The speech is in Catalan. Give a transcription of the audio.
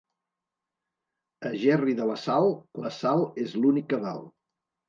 A Gerri de la Sal, la sal és l'únic que val.